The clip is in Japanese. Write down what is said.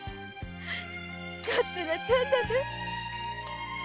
勝手なちゃんだね。